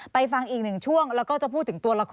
ฟังอีกหนึ่งช่วงแล้วก็จะพูดถึงตัวละคร